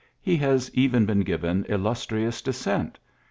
He has ren been given illustrious descent.